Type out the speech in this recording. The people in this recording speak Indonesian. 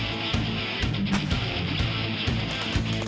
sekarang pada saatnya sayaverted masuk sepeda seratus kyc ke faselino